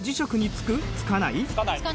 つかない。